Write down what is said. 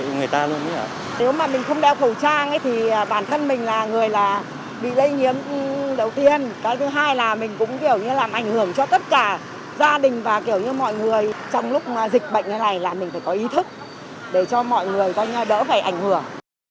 trong lúc dịch bệnh này là mình phải có ý thức để cho mọi người đỡ phải ảnh hưởng